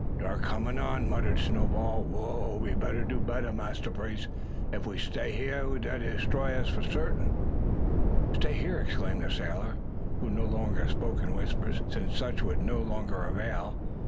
"Dar coming on!" muttered Snowball. "Wha' we better do, Massa Brace? Ef we stay hya dey detroy us fo' sartin." "Stay here!" exclaimed the sailor, who no longer spoke in whispers, since such would no longer avail.